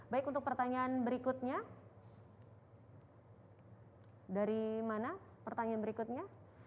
baik untuk pertanyaan berikutnya dari mana pertanyaan berikutnya